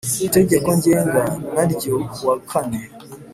Itegeko ngenga n ryo ku wa kane